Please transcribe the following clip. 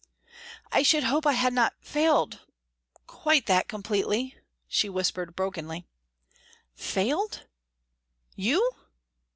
"I should hope I had not failed quite that completely," she whispered brokenly. "Failed? _You?